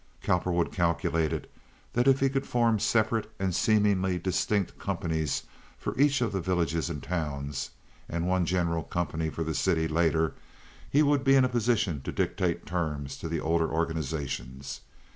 Cowperwood calculated that if he could form separate and seemingly distinct companies for each of the villages and towns, and one general company for the city later, he would be in a position to dictate terms to the older organizations.